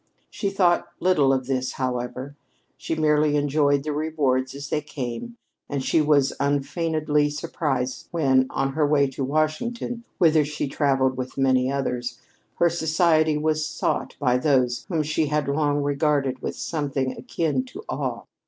She thought little of this, however. She merely enjoyed the rewards as they came, and she was unfeignedly surprised when, on her way to Washington, whither she traveled with many others, her society was sought by those whom she had long regarded with something akin to awe.